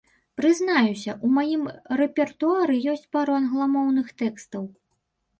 Прызнаюся, у маім рэпертуары ёсць пару англамоўных тэкстаў.